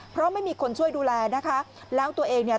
เพราะไม่มีคนช่วยดูแลนะคะแล้วตัวเองเนี่ย